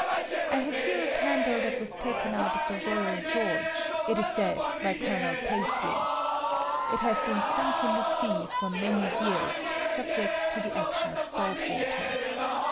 I have here a candle that was taken out of the Boyal George,Q) it is said, by Colonel Paaley. It has been sunk in the sea for many years, subject to the action of salt water.